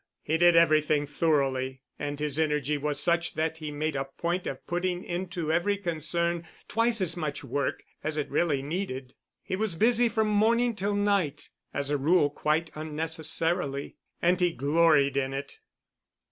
He did everything thoroughly, and his energy was such that he made a point of putting into every concern twice as much work as it really needed. He was busy from morning till night (as a rule quite unnecessarily), and he gloried in it.